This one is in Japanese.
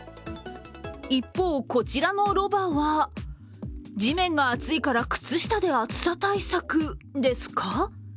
一方こちらのロバは地面が熱いから靴下で暑さ対策ですか？